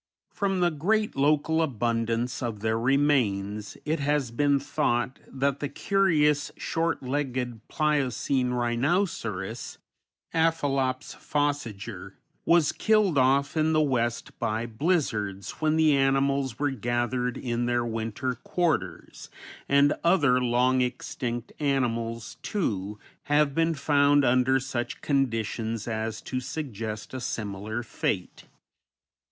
From the great local abundance of their remains, it has been thought that the curious short legged Pliocene rhinoceros, Aphelops fossiger, was killed off in the West by blizzards when the animals were gathered in their winter quarters, and other long extinct animals, too, have been found under such conditions as to suggest a similar fate.